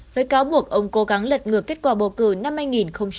với cáo buộc ông cố gắng lật ngược kết quả bầu cử